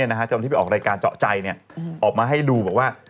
ตอนที่ไปออกรายการเจาะใจออกมาให้ดูบอกว่า